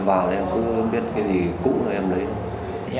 em vào thì em cứ biết cái gì cũ là em lấy